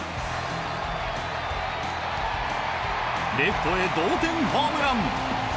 レフトへ同点ホームラン！